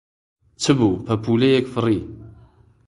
چ بوو پەپوولەیەک فڕی